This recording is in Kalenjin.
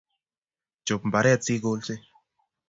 Chop mbaret sikolse